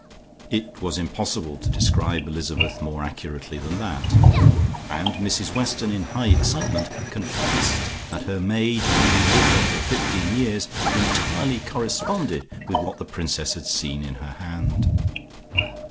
It was impossible to describe Elizabeth more accurately than that, and Mrs Weston in high excitement confessed that her maid who had been with her for fifteen years entirely corresponded with what the Princess had seen in her hand.